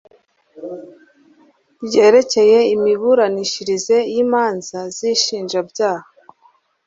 ryerekeye imiburanishirize y imanza z inshinjabyaha